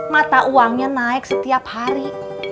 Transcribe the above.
mata uangnya naik setiap hari